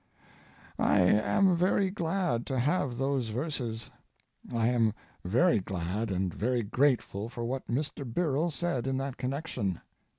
I am very glad to have those verses. I am very glad and very grateful for what Mr. Birrell said in that connection.